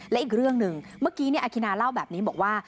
และอีกเรื่องหนึ่งเมื่อกี้อาคินาเล่าแบบนี้บอกว่า